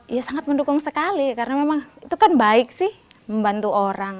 ya sangat mendukung sekali karena memang itu kan baik sih membantu orang